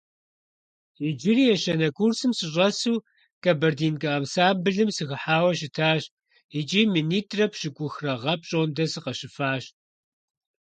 Иджыри ещанэ курсым сыщӀэсу, «Кабардинка» ансамблым сыхыхьауэ щытащ икӀи минитӀрэ пщӀыкӀухрэ гъэ пщӀондэ сыкъыщыфащ.